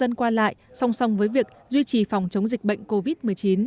dân qua lại song song với việc duy trì phòng chống dịch bệnh covid một mươi chín